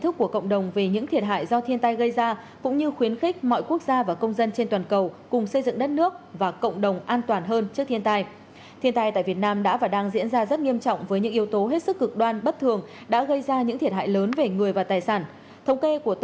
các loại hình thiên tai gây thiệt hại lớn ở việt nam bao gồm lũ lũ quét mưa lớn và sạt lở đất